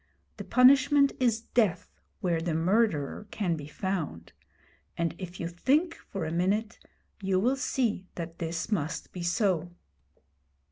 The punishment is death where the murderer can be found; and if you think for a minute you will see that this must be so.